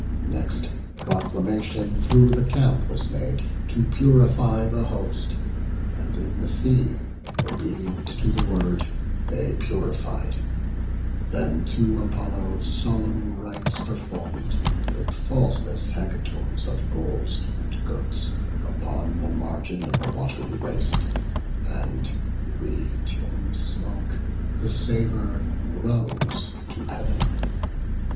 Next, proclamation through the camp was made To purify the host; and in the sea, Obedient to the word, they purified; Then to Apollo solemn rites perform'd With faultless hecatombs of bulls and goats, Upon the margin of the wat'ry waste; And, wreath'd in smoke, the savour rose to Heav'n.